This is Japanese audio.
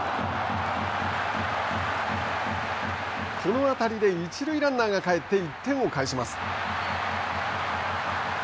この当たりで一塁ランナーが帰って１点を返します。